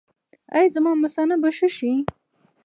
ایا زما مثانه به ښه شي؟